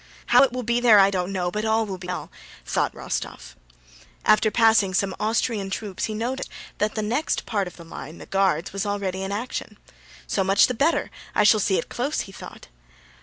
"How it will be there I don't know, but all will be well!" thought Rostóv. After passing some Austrian troops he noticed that the next part of the line (the Guards) was already in action. "So much the better! I shall see it close," he thought.